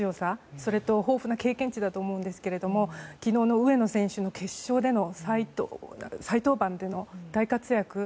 それと、豊富な経験値だと思うんですけど昨日の上野選手の決勝での再登板というのは大活躍。